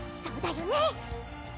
そうだよね？